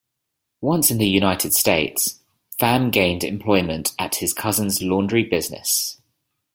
Once in the United States, Pham gained employment at his cousin's laundry business.